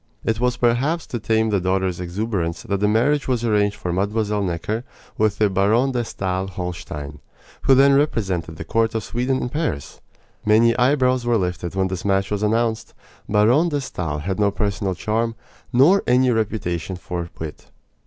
It was perhaps to tame the daughter's exuberance that a marriage was arranged for Mlle. Necker with the Baron de Stael Holstein, who then represented the court of Sweden at Paris. Many eyebrows were lifted when this match was announced. Baron de Stael had no personal charm, nor any reputation for wit.